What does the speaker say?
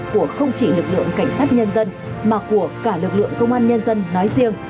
của không chỉ lực lượng cảnh sát nhân dân mà của cả lực lượng công an nhân dân nói riêng